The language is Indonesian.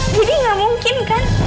jadi gak mungkin kan